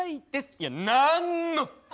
いやなんのっ！？